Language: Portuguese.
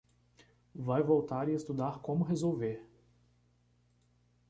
Vai voltar e estudar como resolver